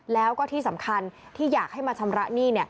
แล้วก็ที่สำคัญที่อยากให้มาชำระหนี้